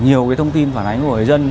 nhiều cái thông tin phản ánh của người dân